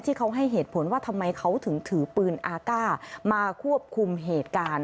ให้เขาให้เหตุผลว่าทำไมเขาถึงถือปืนอาก้ามาควบคุมเหตุการณ์